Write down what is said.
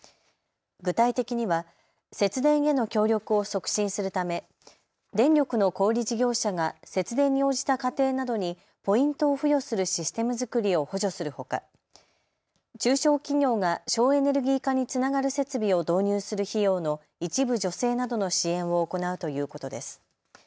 具体的には節電への協力を促進するため電力の小売り事業者が節電に応じた家庭などにポイントを付与するシステム作りを補助するほか中小企業が省エネルギー化につながる設備を導入する費用の一部助成などの支援を行うということです。